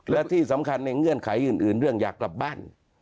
และที่สำคัญในเงื่อนไขอื่นเรื่องอยากกลับบ้าน